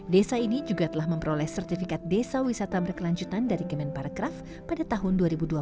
desa ini juga telah memperoleh sertifikat desa wisata berkelanjutan dari kemenparekraf pada tahun dua ribu dua puluh